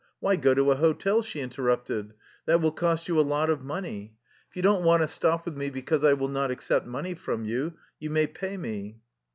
"Why go to a hotel?" she interrupted. "That will cost you a lot of money. If you don't want to stop with me because I will not accept money from you, you may pay me."